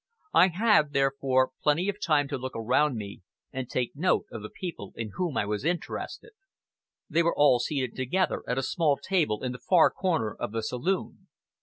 I had, therefore, plenty of time to look around me, and take note of the people in whom I was interested. They were all seated together, at a small table in the far corner of the saloon.